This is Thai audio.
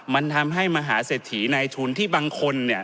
มันทำให้มหาเสถีในทุนที่บางคน